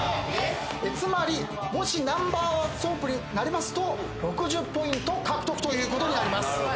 つまりもしナンバーワンソープになりますと６０ポイント獲得ということになります。